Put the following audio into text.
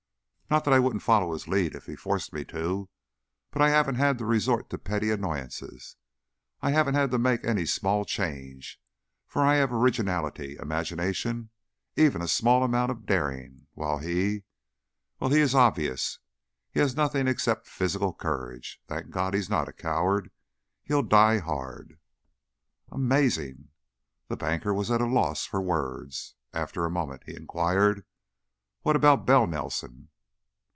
Not that I wouldn't follow his lead if he forced me to, but I haven't had to resort to petty annoyances. I haven't had to make any 'small change,' for I have originality, imagination even a small amount of daring, while he Well, he is obvious. He has nothing except physical courage. Thank God, he's not a coward! He'll die hard." "Amazing!" The banker was at a loss for words. After a moment, he inquired: "What about Bell Nelson?"